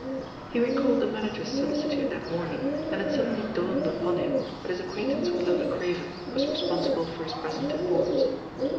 He recalled the manager's solicitude that morn ing, and it suddenly dawned upon him that his acquaintance with Lola Craven was responsible for his present Importance.